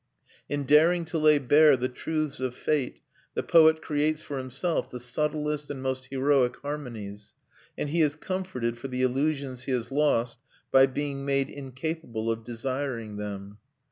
In daring to lay bare the truths of fate, the poet creates for himself the subtlest and most heroic harmonies; and he is comforted for the illusions he has lost by being made incapable of desiring them.